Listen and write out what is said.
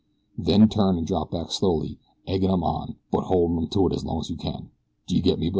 Then turn an' drop back slowly, eggin' 'em on, but holdin' 'em to it as long as you can. Do you get me, bo?"